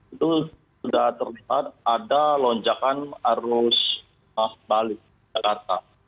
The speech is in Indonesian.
itu sudah terlihat ada lonjakan arus balik jakarta